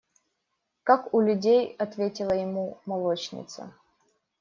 – Как у людей, – ответила ему молочница.